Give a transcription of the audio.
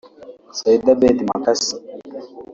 Said Abedi Makasi